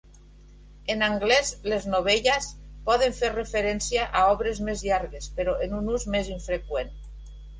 En anglès, les "novellas" poden fer referència a obres més llargues, però és un ús més infreqüent.